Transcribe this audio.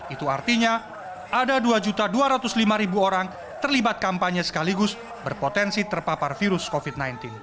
itu artinya ada dua dua ratus lima orang terlibat kampanye sekaligus berpotensi terpapar virus covid sembilan belas